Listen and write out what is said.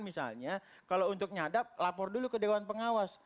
misalnya kalau untuk nyadap lapor dulu ke dewan pengawas